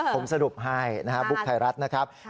ผมสรุปให้นะครับบุ๊กไทยรัฐนะครับ